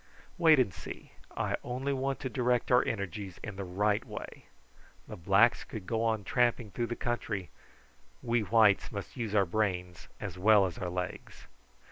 Wait and see. I only want to direct our energies in the right way. The blacks could go on tramping through the country; we whites must use our brains as well as our legs."